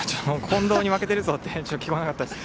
近藤に負けてるぞって聞こえなかったです。